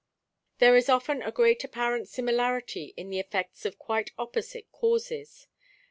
There is often a great apparent similarity in the effects of quite opposite causes.